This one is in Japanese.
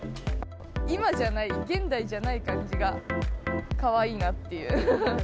今じゃない、現代じゃない感じがかわいいなっていう。